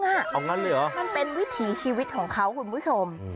มันเป็นวิถีชีวิตของเขาคุณผู้ชม